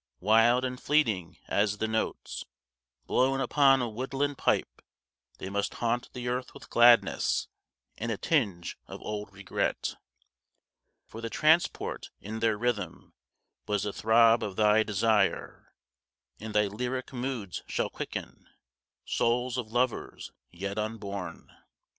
Wild and fleeting as the notes Blown upon a woodland pipe, 30 They must haunt the earth with gladness And a tinge of old regret. For the transport in their rhythm Was the throb of thy desire, And thy lyric moods shall quicken 35 Souls of lovers yet unborn.